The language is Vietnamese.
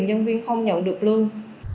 nhân viên không nhận được lương